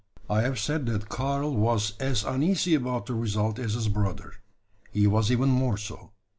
I have said that Karl was as uneasy about the result as his brother. He was even more so.